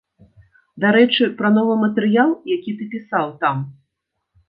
Дарэчы, пра новы матэрыял, які ты пісаў там.